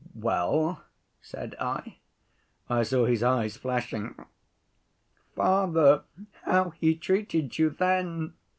'Well?' said I. I saw his eyes flashing. 'Father, how he treated you then!